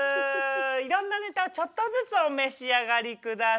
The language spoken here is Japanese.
いろんなネタをちょっとずつお召し上がりください。